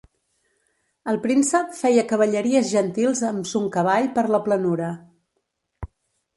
El príncep feia cavalleries gentils, amb son cavall, per la planura.